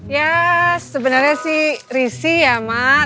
ya sebenarnya sih risih ya mak